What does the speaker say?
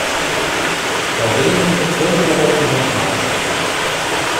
Bei Regen grillen wir halt unterm Carport.